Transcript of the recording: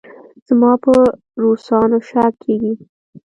زما په روسانو شک کېږي.